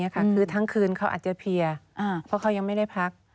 คือทั้งคืนเขาอาจจะเพลียเพราะเขายังไม่ได้พัก